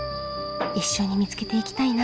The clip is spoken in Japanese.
一緒に見つけていきたいな。